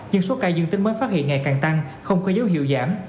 nhưng số ca dương tính mới phát hiện ngày càng tăng không có dấu hiệu giảm